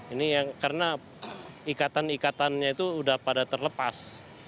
ini yang karena ikatan ikatannya itu sudah pada terlepas